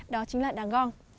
đó chính là đàn gong